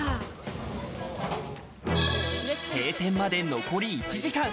閉店まで残り１時間。